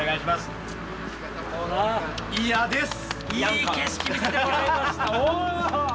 いい景色見せてもらいました。